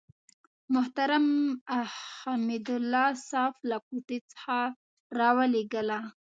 محترم حمدالله صحاف له کوټې څخه راولېږله.